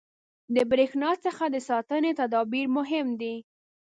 • د برېښنا څخه د ساتنې تدابیر مهم دي.